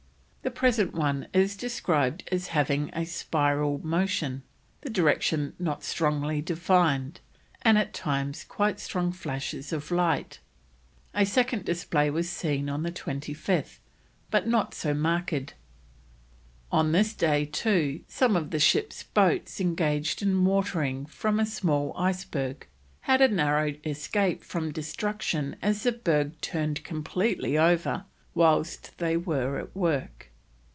The present one is described as having a spiral motion, the direction not strongly defined, and at times strong flashes of light. A second display was seen on the 25th, but not so marked. On this day, too, some of the ship's boats engaged in watering from a small iceberg, had a narrow escape from destruction as the berg turned completely over whilst they were at work.